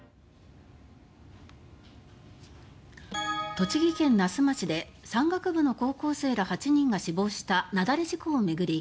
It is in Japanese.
栃木県那須町で山岳部の高校生ら８人が死亡した雪崩事故を巡り